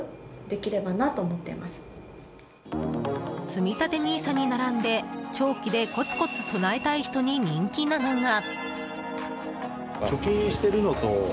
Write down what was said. つみたてＮＩＳＡに並んで長期でコツコツ備えたい人に人気なのが。